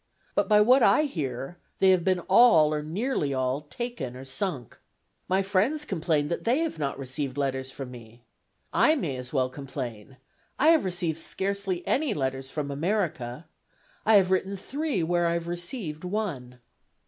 But by what I hear, they have been all, or nearly all, taken or sunk. My friends complain that they have not received letters from me. I may as well complain. I have received scarcely any letters from America. I have written three where I have received one."